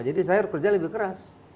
jadi saya kerja lebih keras